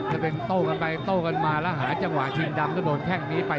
จะเป็นโต้กันไปโต้กันมาแล้วหาจังหวะชิงดำถ้าโดนแข้งนี้ไป